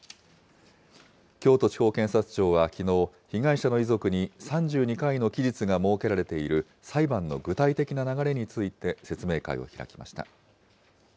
京都地方検察庁はきのう、被害者の遺族に、３２回の期日が設けられている裁判の具体的な流れについて説明会を開きました。